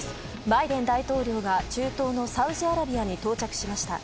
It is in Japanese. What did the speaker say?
バイデン大統領が中東のサウジアラビアに到着しました。